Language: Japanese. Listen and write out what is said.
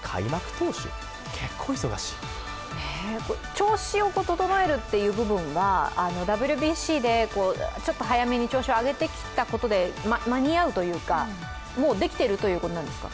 調子を整えるという部分は、ＷＢＣでちょっと早めに調子を上げてきたことで間に合うというかもうできているということなんですか。